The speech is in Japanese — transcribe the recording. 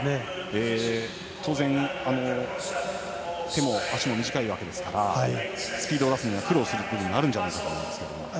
当然、手も足も短いのでスピードを出すには苦労するんじゃないかと思います。